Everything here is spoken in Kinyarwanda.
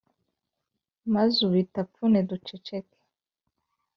maze ubitapfune duceceke